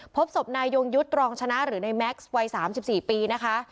พบศพนายยงยุทธ์ตรองชนะหรือในแม็กซ์วัย๓๔ปีนะคะ